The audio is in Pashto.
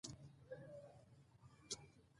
د مور نصېحت